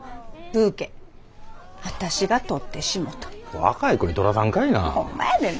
若い子に取らさんかいな。